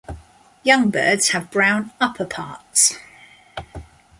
Young birds have brown upperparts.